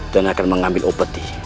dan akan mengambil opeti